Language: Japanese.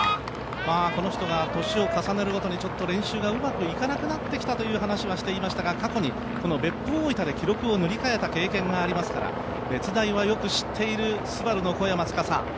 この人が年を重ねるごとに練習がうまくいかなくなってきたという話をしていましたが過去に別府大分で記録を塗り替えた経験がありますから別大はよく知っているＳＵＢＡＲＵの小山司。